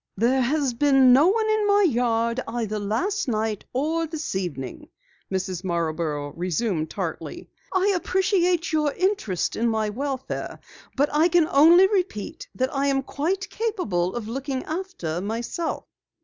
"There has been no one in my yard either last night or this evening," Mrs. Marborough resumed tartly. "I appreciate your interest in my welfare, but I can only repeat that I am quite capable of looking after myself."